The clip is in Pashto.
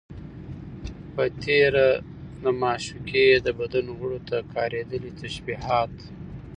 په تېره، د معشوقې د بدن غړيو ته کارېدلي تشبيهات